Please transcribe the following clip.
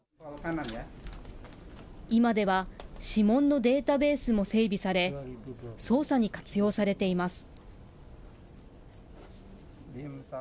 今では指紋のデータベースも整備され、捜査に活用されています。